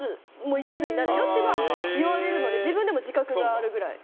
一途になるよって言われるので自分でも自覚があるくらい。